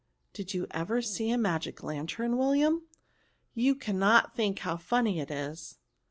Did you ever see a magic lantern, William ? You cannot think how funny it is."